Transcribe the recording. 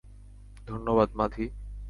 ধন্যবাদ, মাধি।